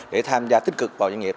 để tham gia tích cực vào doanh nghiệp